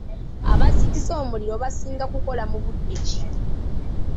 Abazikiza omuliro basinga kukola mu budde ki?